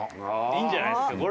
いいんじゃないですか？